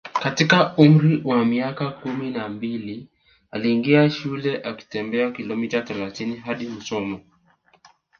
katika umri wa miaka kumi na mbili aliingia shule akitembea kilomita thelathini hadi Musoma